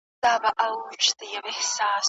ستاسو په مخ کي به د روڼ سبا نښي وي.